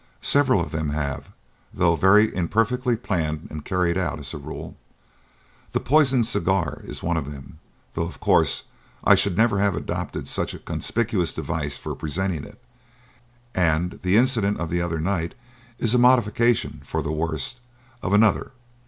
"Several of them have, though very imperfectly planned and carried out as a rule. The poisoned cigar is one of them, though, of course I should never have adopted such a conspicuous device for presenting it; and the incident of the other night is a modification for the worse of another.